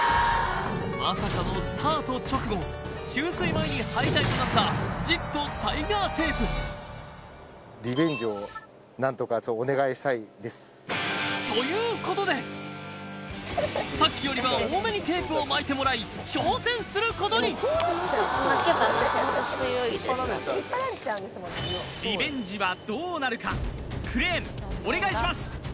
まさかのスタート直後注水前に敗退となったジットタイガーテープということでさっきよりは多めにテープを巻いてもらい挑戦することにリベンジはどうなるかクレーンお願いします